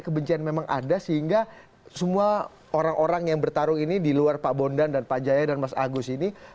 kebencian memang ada sehingga semua orang orang yang bertarung ini di luar pak bondan dan pak jaya dan mas agus ini